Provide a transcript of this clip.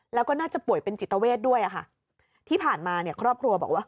แล้วก็น่าจะป่วยเป็นจิตเวทด้วยอ่ะค่ะที่ผ่านมาเนี่ยครอบครัวบอกว่า